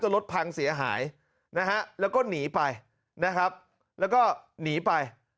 รถพังเสียหายนะฮะแล้วก็หนีไปนะครับแล้วก็หนีไป